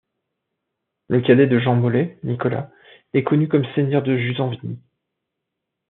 Le cadet de Jean Molé, Nicolas, est connu comme seigneur de Jusanvigny.